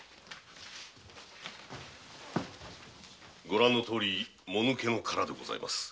ご覧のとおりもぬけの殻でございます。